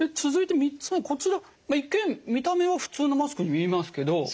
続いて３つ目こちら一見見た目は普通のマスクに見えますけど。